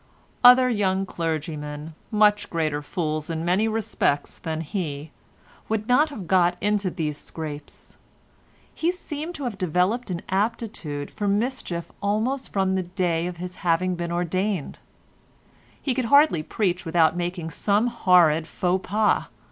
Other young clergymen, much greater fools in many respects than he, would not have got into these scrapes. He seemed to have developed an aptitude for mischief almost from the day of his having been ordained. He could hardly preach without making some horrid faux pas.